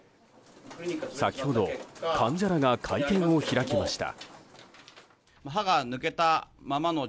先ほど患者らが会見を開きました。